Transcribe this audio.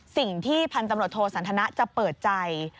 สิ่งที่พันธมรถโทสันธนะจะเปิดใจ